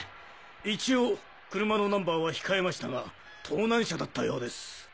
一応車のナンバーは控えましたが盗難車だったようです。